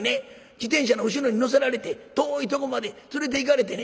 自転車の後ろに乗せられて遠いとこまで連れていかれてね